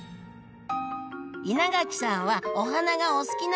稲垣さんはお花がお好きなんですよね？